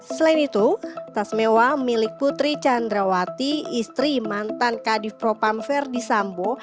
selain itu tas mewah milik putri candrawati istri mantan kadif propam verdi sambo